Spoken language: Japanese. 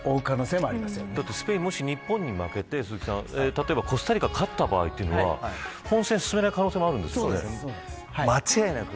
もし、スペインが日本に負けてコスタリカが勝った場合本戦に進めない可能性もあるんですよね。